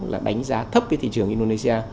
là đánh giá thấp cái thị trường indonesia